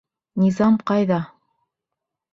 Низам ҡайҙа!